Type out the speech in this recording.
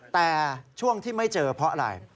แต่ช่วงที่ไม่เจอเพราะอะไร